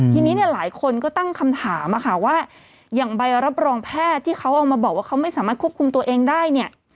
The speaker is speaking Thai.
ทีนี้เนี่ยหลายคนก็ตั้งคำถามอะค่ะว่าอย่างใบรับรองแพทย์ที่เขาเอามาบอกว่าเขาไม่สามารถควบคุมตัวเองได้เนี่ย